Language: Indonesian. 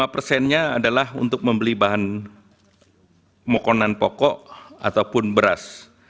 lima persennya adalah untuk membeli bahan makanan pokok ataupun beras